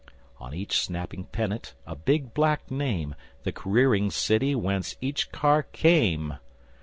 On each snapping pennant A big black name: The careering city Whence each car came.